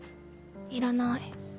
いらない。